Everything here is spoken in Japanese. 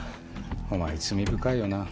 お前罪深いよな。